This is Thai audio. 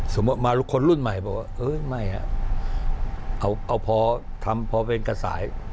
มาคนรุ่นใหม่บอกว่าเอ้ยไม่เอาพอทำพอเป็นกระสาย